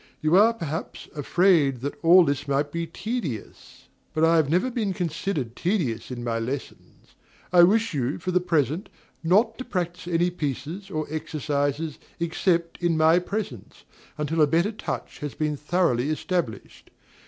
You are, perhaps, afraid that all this might be tedious; but I have never been considered tedious in my lessons. I wish you, for the present, not to practise any pieces or exercises except in my presence, until a better touch has been thoroughly established.